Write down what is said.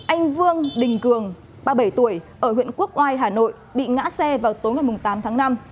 anh vương đình cường ba mươi bảy tuổi ở huyện quốc oai hà nội bị ngã xe vào tối ngày tám tháng năm